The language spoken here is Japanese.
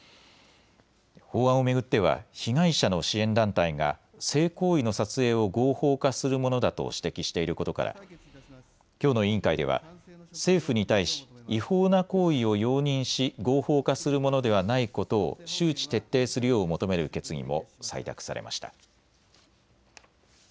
法案を巡っては被害者の支援団体が性行為の撮影を合法化するものだと指摘していることからきょうの委員会では政府に対し違法な行為を容認し合法化するものではないことを周知徹底するよう求める決議も採択されました。